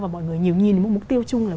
và mọi người nhìn đến mục tiêu chung là